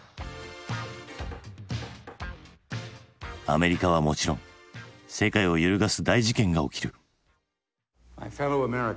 アメリカはもちろん世界を揺るがす大事件が起きる。